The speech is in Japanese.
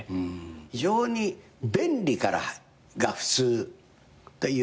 非常に便利からが普通っていうような。